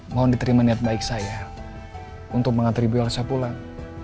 mohon diterima niat baik saya untuk mengantar ibu elsa pulang